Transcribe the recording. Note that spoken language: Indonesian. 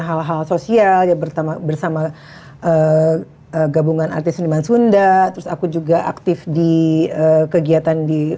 hal hal sosial bersama gabungan artis seniman sunda terus aku juga aktif di kegiatan di